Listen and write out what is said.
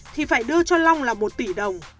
thì phải đưa cho long là một tỷ đồng